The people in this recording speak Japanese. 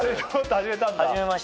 始めたんだ。